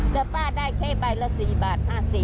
แล้วป้าได้แค่ใบละ๔บาท๕๐